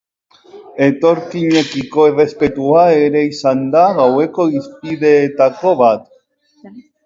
Etorkinekiko errespetua ere izan da gaueko hizpideetako bat.